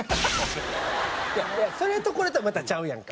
いやそれとこれとはまたちゃうやんか。